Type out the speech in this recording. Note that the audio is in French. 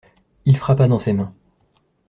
Il frappa dans ses mains.